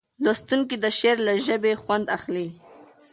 لوستونکی د شعر له ژبې خوند اخلي.